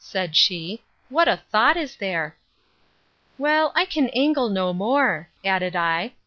said she, what a thought is there!—Well, I can angle no more, added I.